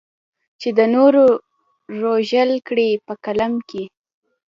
چې د نورو رژول کړې په قلم کې.